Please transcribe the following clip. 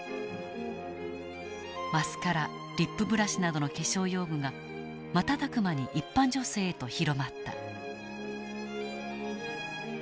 マスカラリップブラシなどの化粧用具が瞬く間に一般女性へと広まった。